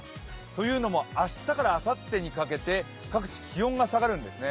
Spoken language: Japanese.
というのも明日からあさってにかけて各地気温が下がるんですね。